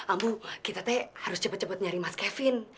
ambu kita teh harus cepet cepet nyari mas kevin